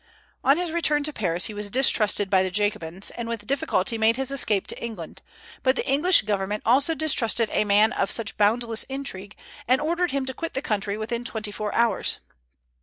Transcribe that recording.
On his return to Paris he was distrusted by the Jacobins, and with difficulty made his escape to England; but the English government also distrusted a man of such boundless intrigue, and ordered him to quit the country within twenty four hours.